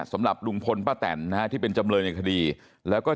สำหรับลุงพลป้าแตนนะฮะที่เป็นจำเลยในคดีแล้วก็